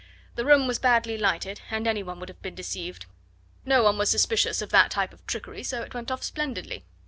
The room was badly lighted, and any one would have been deceived. No one was suspicious of that type of trickery, so it went off splendidly.